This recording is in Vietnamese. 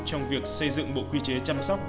trong việc xây dựng bộ quy chế chăm sóc